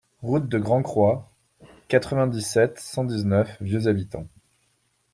Route de Grand Croix, quatre-vingt-dix-sept, cent dix-neuf Vieux-Habitants